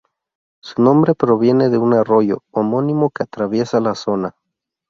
Su nombre proviene de un arroyo homónimo que atraviesa la zona.